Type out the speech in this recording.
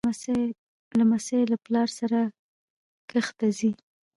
لمسی له پلار سره کښت ته ځي.